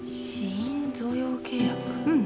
うん。